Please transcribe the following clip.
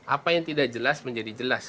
apa yang tidak jelas menjadi jelas